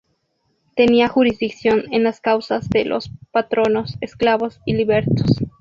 Tenía jurisdicción en las causas de los patronos, esclavos y libertos.